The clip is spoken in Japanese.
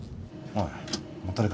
おい。